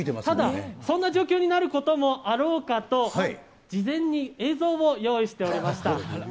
ただ、そんな状況になることもあろうかと、事前に映像を用意しておりました。